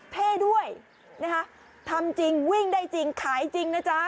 เท่ด้วยนะคะทำจริงวิ่งได้จริงขายจริงนะจ๊ะ